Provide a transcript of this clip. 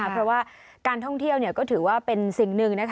เพราะว่าการท่องเที่ยวก็ถือว่าเป็นสิ่งหนึ่ง